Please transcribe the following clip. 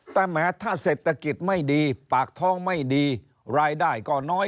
แต่แม้ถ้าเศรษฐกิจไม่ดีปากท้องไม่ดีรายได้ก็น้อย